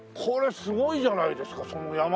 これすごいじゃないですか。